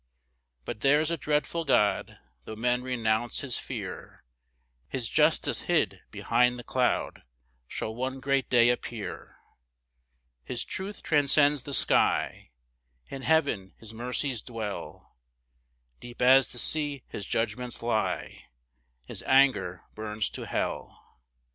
5 But there's a dreadful God, Tho' men renounce his fear; His justice hid behind the cloud Shall one great day appear. 6 His truth transcends the sky; In heaven his mercies dwell; Deep as the sea his judgments lie, His anger burns to hell.